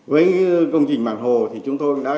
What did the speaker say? với công trình bản hồ thì chúng tôi đã